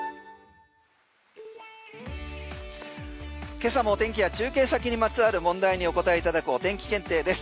今朝も天気や中継先にまつわる問題にお答えいただくお天気検定です。